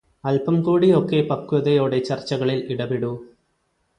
അല്പം കൂടി ഒക്കെ പക്വതയോടെ ചർച്ചകളിൽ ഇടപെടൂ.